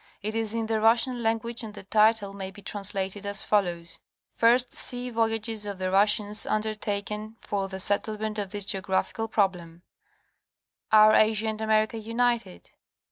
It is in the Russian language and the title may be translated as follows: First Sea Voyages of the Russians undertaken for the settle ment of this geographical problem—Are Asia and America united